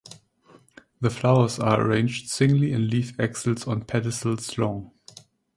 The flowers are arranged singly in leaf axils on pedicels long.